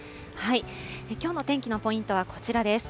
きょうの天気のポイントはこちらです。